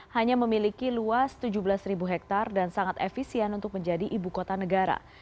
hanya memiliki luas tujuh belas hektare dan sangat efisien untuk menjadi ibu kota negara